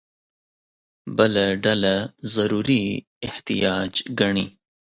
بله ډله ضروري احتیاج ګڼي.